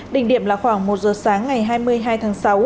đỉnh điểm là khoảng một giờ sáng ngày hai mươi hai tháng sáu